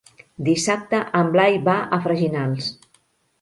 Dissabte en Blai va a Freginals.